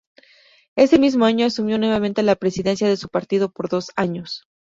Ese mismo año asumió nuevamente la presidencia de su partido por dos años.